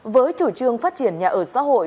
với chủ trương phát triển nhà ở xã hội